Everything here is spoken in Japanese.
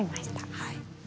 はい。